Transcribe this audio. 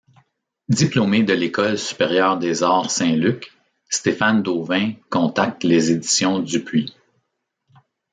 Diplômé de l'École supérieure des arts Saint-Luc, Stéphane Dauvin contacte les Éditions Dupuis.